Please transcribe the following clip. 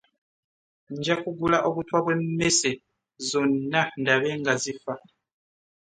Njakugula obutwa bwe mmese zonna ndabe nga zifa.